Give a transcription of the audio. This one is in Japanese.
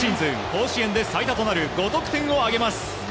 甲子園で最多となる５得点を挙げます。